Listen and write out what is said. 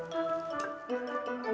mas aku mau pamer